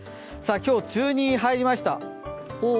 今日、梅雨に入りました。